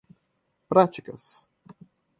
práticas